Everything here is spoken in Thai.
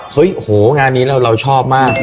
โหงานนี้เราชอบมาก